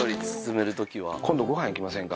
今度、ごはん行きませんか？